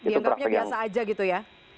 ya anggapnya biasa aja gitu ya